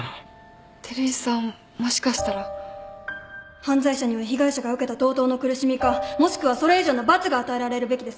犯罪者には被害者が受けた同等の苦しみかもしくはそれ以上の罰が与えられるべきです